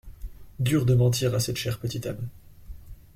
Dur de mentir à cette chère petite âme.